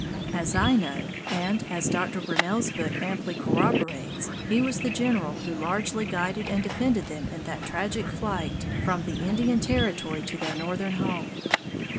As I know and as Doctor Grinnell's book amply corroborates, he was the general who largely guided and defended them in that tragic flight from the Indian Territory to their northern home.